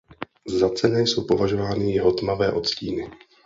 Za cenné jsou považovány jeho tmavé odstíny.